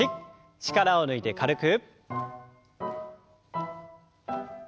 力を抜いて軽く。